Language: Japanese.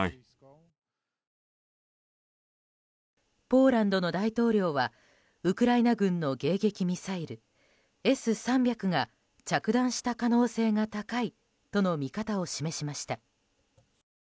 ポーランドの大統領はウクライナ軍の迎撃ミサイルＳ３００が着弾した可能性が高いとの見方を示しました。